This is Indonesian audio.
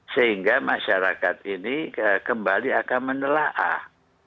sehingga masyarakat ini kembali akan menelaah